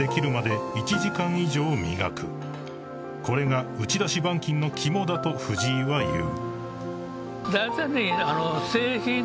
［これが打ち出し板金の肝だと藤井は言う］